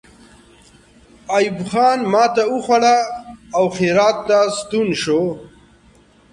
ایوب خان ماته وخوړه او هرات ته ستون شو.